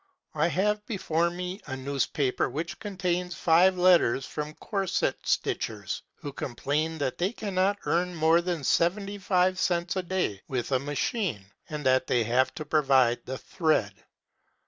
I have before me a newspaper which contains five letters from corset stitchers who complain that they cannot earn more than seventy five cents a day with a machine, and that they have to provide the thread.